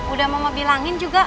udah mama bilangin juga